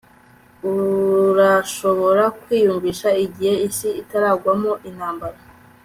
Urashobora kwiyumvisha igihe isi itarangwamo intambara